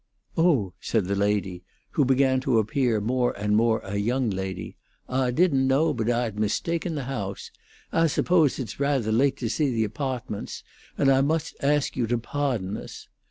"Oh," said the lady, who began to appear more and more a young lady, "Ah didn't know but Ah had mistaken the hoase. Ah suppose it's rather late to see the apawtments, and Ah most ask you to pawdon us."